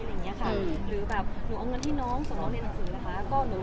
หรือหนูเอาเงินที่น้องส่งน้องเล่นกับหนู